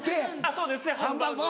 そうですねハンバーグ。